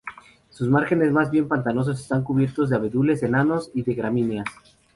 Sus márgenes más bien pantanosos están cubiertos de abedules enanos y de gramíneas.